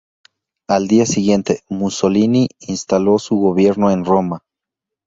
Al día siguiente, Mussolini instaló su gobierno en Roma.